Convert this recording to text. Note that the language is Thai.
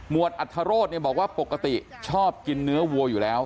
วดอัธโรธเนี่ยบอกว่าปกติชอบกินเนื้อวัวอยู่แล้ว